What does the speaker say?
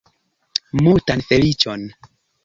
Multan feliĉon!